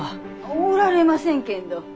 おられませんけんど。